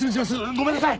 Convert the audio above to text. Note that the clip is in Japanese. ごめんなさい！